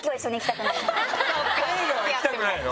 映画は行きたくないの？